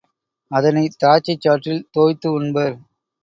அதனைத் திராட்சைச் சாற்றில் தோய்த்து உண்பர்.